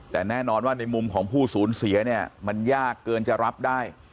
แต่แน่นอนว่าในมุมของผู้สูญเสียเนี่ยมันยากเกินจะรับได้